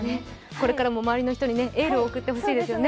これからも周りの人にエールを送ってほしいですね。